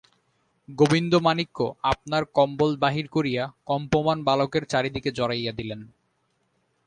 গোবিন্দমাণিক্য আপনার কম্বল বাহির করিয়া কম্পমান বালকের চারি দিকে জড়াইয়া দিলেন।